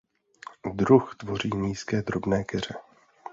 Druh tvoří nízké drobné keře.